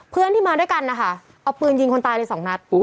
เพื่อนที่มาด้วยกันนะคะเอาปืนยิงคนตายเลยสองนัด